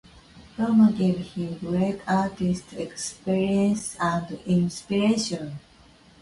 Rome gave him great artistic experiences and inspiration.